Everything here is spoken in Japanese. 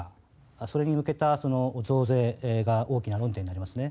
それに向けた増税が大きな論点になりますね。